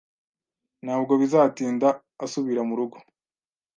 Ntabwo bizatinda asubira murugo.